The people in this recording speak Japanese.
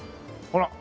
ほら！